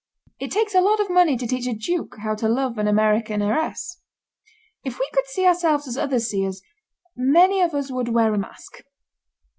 It takes a lot of money to teach a Duke how to love an American heiress. If we could see ourselves as others see us many of us would wear a mask.